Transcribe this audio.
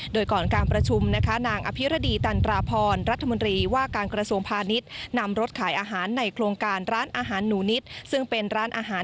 โดยก่อนการประชุมนะคะนางอภิรดีตันตราพรรัฐมนตรีว่าการกระทรวงพาณิชย์